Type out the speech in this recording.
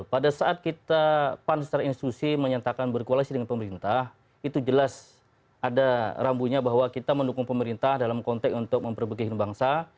pada saat kita pan secara institusi menyatakan berkoalisi dengan pemerintah itu jelas ada rambunya bahwa kita mendukung pemerintah dalam konteks untuk memperbegihkan bangsa